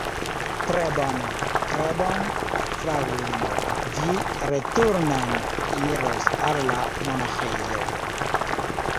Tre bone, tre bone, Fraŭlino, vi returnen iros al la monaĥejo